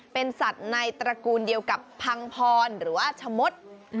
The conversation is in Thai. เป็นสัตว์ในตระกูลเดียวกับพังพรหรือว่าชะมด